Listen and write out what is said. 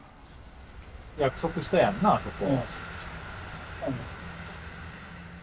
約束したやんなそこ。